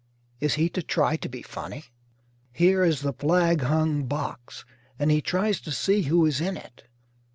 Is he to try to be funny? Here is the flag hung box, and he tries to see who is in it.